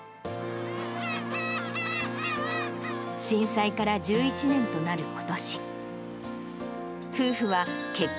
震災から１１年となることし。